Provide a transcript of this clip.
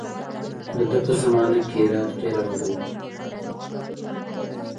د ده په زمانه کې هرات ډېره وده وکړه.